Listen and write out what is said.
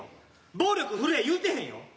暴力振るえ言うてへんよ。